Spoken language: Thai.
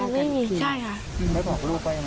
ไม่มีใช่ค่ะ